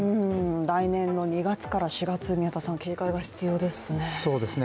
来年の２月から４月、宮田さん、警戒が必要ですね。